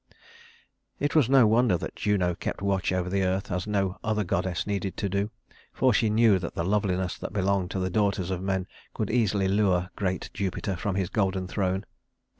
It was no wonder that Juno kept watch over the earth as no other goddess needed to do, for she knew that the loveliness that belonged to the daughters of men could easily lure great Jupiter from his golden throne.